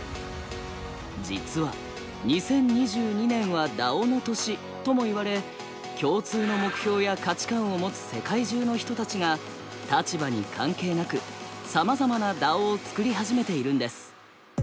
実は「２０２２年はＤＡＯの年」ともいわれ共通の目標や価値観を持つ世界中の人たちが立場に関係なくさまざまなＤＡＯを作り始めているんです。